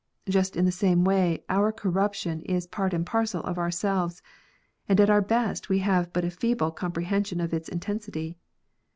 Just in the same way our corruption is part and parcel of ourselves, and at our best we have but a feeble comprehension of its intensity.